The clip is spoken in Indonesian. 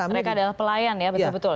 mereka adalah pelayan ya betul betul